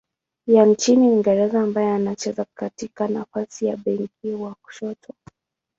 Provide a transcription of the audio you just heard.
ya nchini Uingereza ambaye anacheza katika nafasi ya beki wa kushoto.